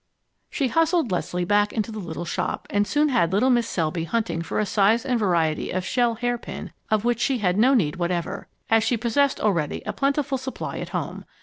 She hustled Leslie back into the little shop and soon had little Mrs. Selby hunting for a size and variety of shell hair pin of which she had no need whatever, as she possessed already a plentiful supply at home.